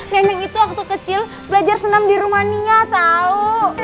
nenek itu waktu kecil belajar senam di rumania tau